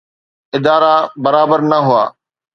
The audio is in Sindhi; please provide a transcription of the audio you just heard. ادارا برابر نه هئا.